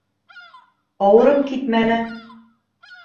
Ауырып китмәне.